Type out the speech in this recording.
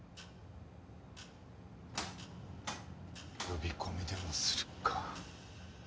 呼び込みでもするか。